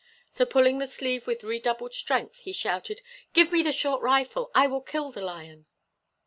So pulling the sleeve with redoubled strength he shouted: "Give me the short rifle! I will kill the lion!"